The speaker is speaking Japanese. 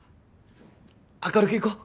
明るく行こう。